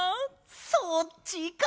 そっちか！